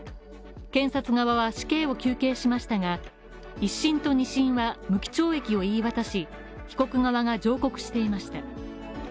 検察側は死刑を求刑しましたが一審と二審は無期懲役を言い渡し、被告側が上告していました。